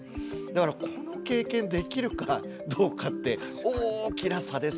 だからこの経験できるかどうかって大きな差ですよね。